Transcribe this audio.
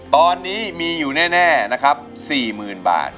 ตอนนี้มีอยู่แน่นะครับ๔๐๐๐บาท